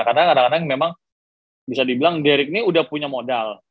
karena kadang kadang memang bisa dibilang derek ini udah punya modal